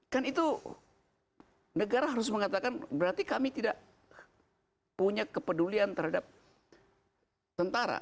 kan itu negara harus mengatakan berarti kami tidak punya kepedulian terhadap tentara